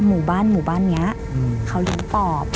หมู่บ้านนี้เขายังตอบ